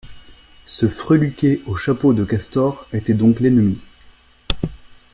Ce freluquet au chapeau de castor était donc l'ennemi.